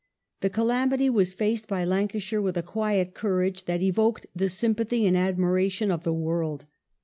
The calamity was faced by Lancashire with a quiet courage that evoked the sympathy and admiration of the world.